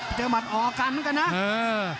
ภูตวรรณสิทธิ์บุญมีน้ำเงิน